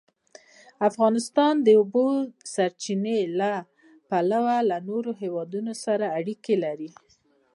افغانستان د د اوبو سرچینې له پلوه له نورو هېوادونو سره اړیکې لري.